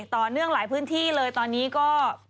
ต่อเนื่องหลายพื้นที่เลยตอนนี้ก็